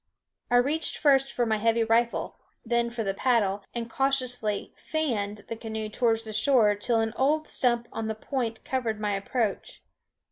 I reached first for my heavy rifle, then for the paddle, and cautiously "fanned" the canoe towards shore till an old stump on the point covered my approach.